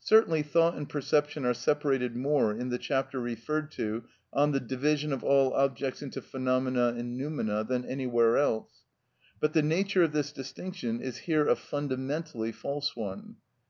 Certainly thought and perception are separated more in the chapter referred to "On the Division of all Objects into Phenomena and Noumena" than anywhere else, but the nature of this distinction is here a fundamentally false one.